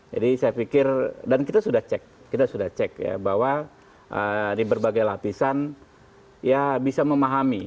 jadi saya pikir dan kita sudah cek kita sudah cek ya bahwa di berbagai lapisan ya bisa memahami